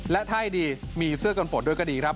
และถ้าให้ดีมีเสื้อกันฝนด้วยก็ดีครับ